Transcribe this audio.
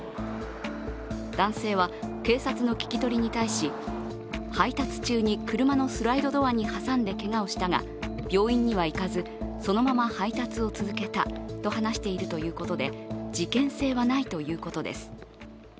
男性は警察の聞き取りに対し配達中に車のスライドドアに挟んでけがをしたが、病院には行かず、そのまま配達を続けたと話しているということで事件性はないということです。